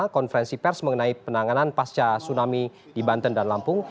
konferensi pers mengenai penanganan pasca tsunami di banten dan lampung